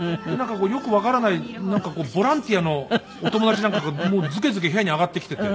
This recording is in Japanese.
よくわからないなんかボランティアのお友達なんかがずけずけ部屋に上がってきていて。